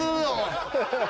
ハハハ！